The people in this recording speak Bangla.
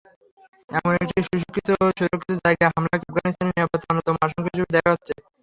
এমন একটি সুরক্ষিত জায়গায় হামলাকে আফগানিস্তানের নিরাপত্তায় অন্যতম আশঙ্কা হিসেবে দেখা হচ্ছে।